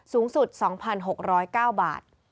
สูงสุด๒๖๐๙บาท